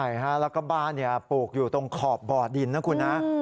ใช่ฮะแล้วก็บ้านปลูกอยู่ตรงขอบบ่อดินนะคุณนะ